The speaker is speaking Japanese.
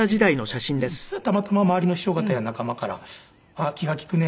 それでたまたま周りの師匠方や仲間から「あっ気が利くね。